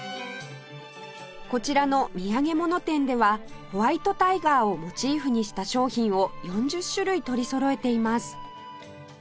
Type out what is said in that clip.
こちらの土産物店ではホワイトタイガーをモチーフにした商品を４０種類取りそろえています